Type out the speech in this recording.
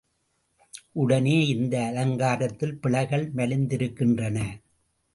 உடனே, இந்த அலங்காரத்தில் பிழைகள் மலிந்திருக்கின்றன.